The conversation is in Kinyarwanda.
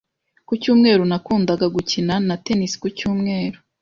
Ku cyumweru nakundaga gukina na tennis ku cyumweru.